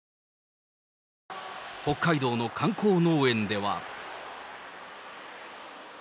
北海道の観光農園では。